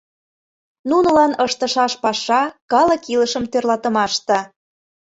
Нунылан ыштышаш паша — калык илышым тӧрлатымаште.